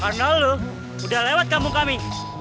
karena lu udah lewat kampung kami